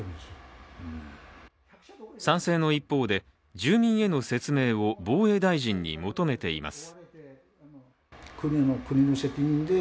賛成の一方で、住民への説明を防衛大臣に求めています。